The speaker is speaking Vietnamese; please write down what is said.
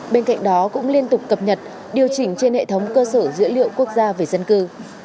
bên cạnh đó cũng liên tục cập nhật điều chỉnh trên hệ thống cơ sở dữ liệu quốc gia về dân cư